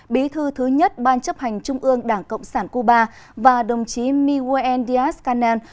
bí thư thứ nhất ban chấp hành trung ương đảng cộng sản cuba và đồng chí miguel díaz canel